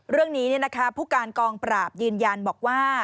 เรื่องนี้ผู้การกองปราบยืนยันบอกว่า